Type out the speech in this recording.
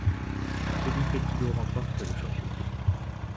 Kelly Petillo remporte le championnat.